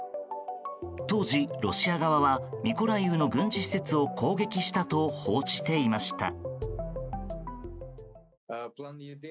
当時、ロシア側はミコライウの軍事施設を攻撃したと報じていました。